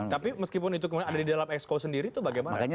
tapi meskipun itu kemudian ada di dalam exco sendiri itu bagaimana